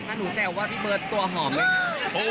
ถ้าหนูแซวว่าพี่เบิร์ตตัวหอมไหมคะ